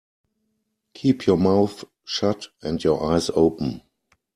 Keep your mouth shut and your eyes open.